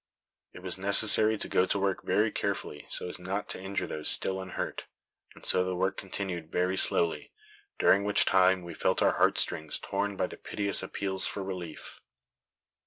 It was necessary to go to work very carefully, so as not to injure those still unhurt; and so the work continued very slowly, during which time we felt our heart strings torn by the piteous appeals for relief.